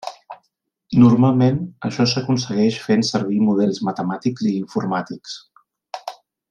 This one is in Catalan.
Normalment, això s'aconsegueix fent servir models matemàtics i informàtics.